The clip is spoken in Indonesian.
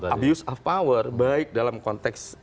abuse of power baik dalam konteks